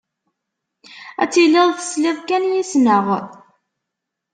Ad tiliḍ tesliḍ kan yes-sneɣ.